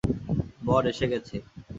বর এসে গেছে।